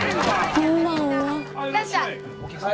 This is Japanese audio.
いらっしゃい。